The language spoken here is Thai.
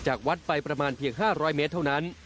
จากวัดไปประมาณเพียง๕๐๐เมตรเท่านั้น